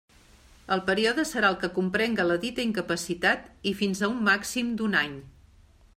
El període serà el que comprenga la dita incapacitat i fins a un màxim d'un any.